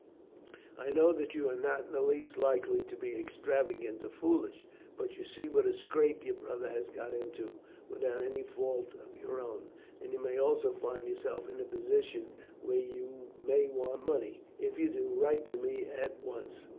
I know that you are not in the least likely to be extravagant or foolish, but you see what a scrape your brother has got into, without any fault of your own, and you may also find yourself in a position where you may want money. If you do, write to me at once."